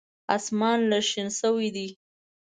اسمان لږ شین شوی دی .